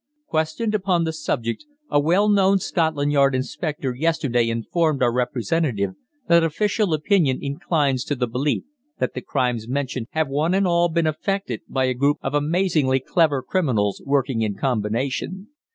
Questioned upon the subject, a well known Scotland Yard Inspector yesterday informed our representative that official opinion inclines to the belief that the crimes mentioned have one and all been effected by a group of amazingly clever criminals working in combination.